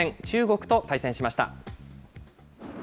中国と対戦しました。